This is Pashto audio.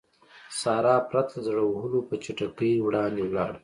سارا پرته له زړه وهلو په چټکۍ وړاندې ولاړه.